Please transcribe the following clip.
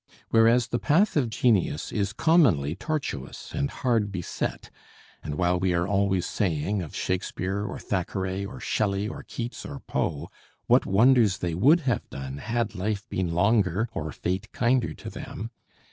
Whereas the path of genius is commonly tortuous and hard beset: and while we are always saying of Shakespeare, or Thackeray, or Shelley, or Keats, or Poe, "What wonders they would have done had life been longer or fate kinder to them!"